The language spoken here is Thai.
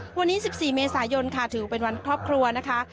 วันนี้๑๔เมษายนค่ะถือเป็นวันครอบครัวนะคะ